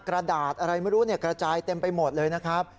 กระดาษอะไรไม่รู้กระจายเต็มไปหมดเลยนะครับ